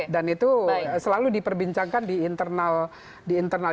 dan itu selalu diperbincangkan di internal